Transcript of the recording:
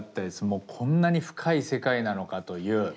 もうこんなに深い世界なのかという。